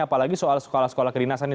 apalagi soal sekolah sekolah kedinasan ini